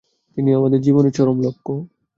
তিনি আমাদের জীবনের চরম লক্ষ্য।